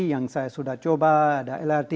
yang saya sudah coba ada lrt